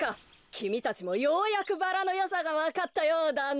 きみたちもようやくバラのよさがわかったようだな。